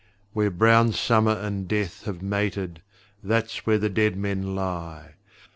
Where brown Summer and Death have mated That's where the dead men lie!